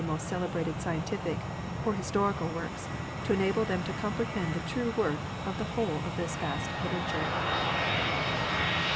most celebrated scientific or historical works to enable them to comprehend the true worth of the whole of this vast literature.